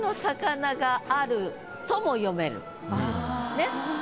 ねっ。